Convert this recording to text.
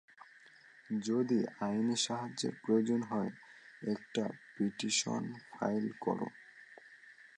যদি আইনি সাহায্যের প্রয়োজন হয়, একটা পিটিশন ফাইল করো।